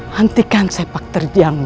hentikan sepak terjangnya